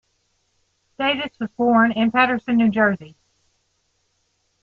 Davis was born in Paterson, New Jersey.